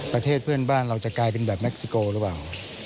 ประเทศเพื่อนบ้านเราจะกลายเป็นแบบเค็กซิโกหรือเปล่า